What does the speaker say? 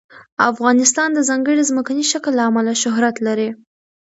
افغانستان د ځانګړي ځمکني شکل له امله شهرت لري.